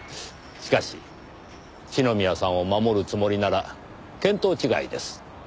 しかし四宮さんを守るつもりなら見当違いです。